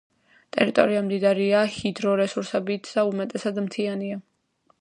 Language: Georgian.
ტერიტორია მდიდარია ჰიდრორესურსებით და უმეტესად მთიანია.